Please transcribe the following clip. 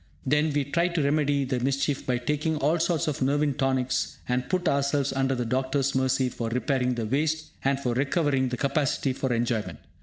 Then, we try to remedy the mischief by taking all sorts of 'nervine tonics' and put ourselves under the doctor's mercy for repairing the waste, and for recovering the capacity for enjoyment.